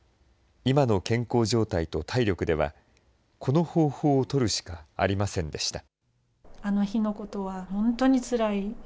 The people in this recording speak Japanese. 今の健康状態と体力では、この方法を取るしかありませんでした。